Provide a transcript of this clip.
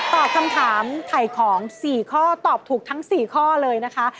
ตอบคำถามไถ่ของ๔ข้อตอบถูกทั้ง๔ข้อเลยนะคะ